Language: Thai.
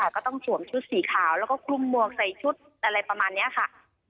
ก็ต้องสวมชุดสีขาวแล้วก็คลุมหมวกใส่ชุดอะไรประมาณนี้ค่ะ